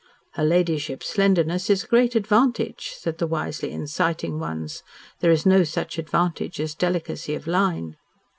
"Her ladyship's slenderness is a great advantage," said the wisely inciting ones. "There is no such advantage as delicacy of line."